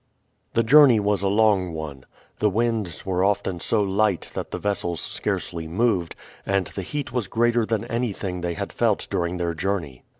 The journey was a long one. The winds were often so light that the vessels scarcely moved, and the heat was greater than anything they had felt during their journey.